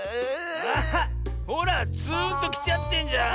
あっほらツーンときちゃってんじゃん。